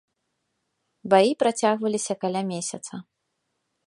Баі працягваліся каля месяца.